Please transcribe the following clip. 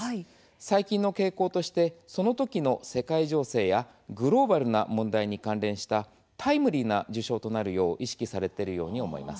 最近の傾向としてそのときの世界情勢やグローバルな問題に関連したタイムリーな授賞となるよう意識されているように思います。